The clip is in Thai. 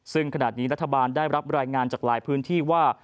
ซึ่งขณะนี้รัฐบาลได้รับรายงานจากหลายพื้นที่ว่า